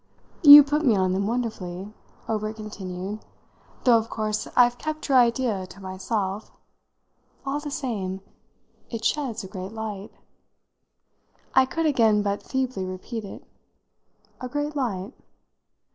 "You put me on them wonderfully," Obert continued, "though of course I've kept your idea to myself. All the same it sheds a great light." I could again but feebly repeat it. "A great light?"